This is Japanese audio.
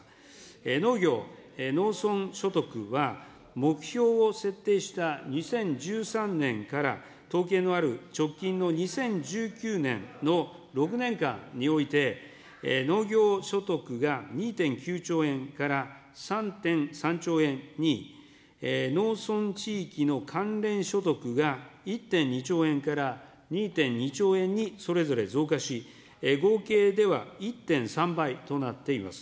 農業、農村所得は、目標を設定した２０１３年から、統計のある直近の２０１９年の６年間において、農業所得が２．９兆円から３．３兆円に、農村地域の関連所得が１．２兆円から２．２兆円に、それぞれ増加し、合計では１．３倍となっています。